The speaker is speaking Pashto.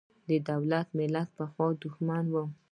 د دولت–ملت پخوا دښمن و.